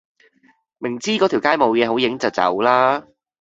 明知個條街冇野好影就走啦